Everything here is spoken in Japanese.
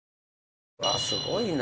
すごいな。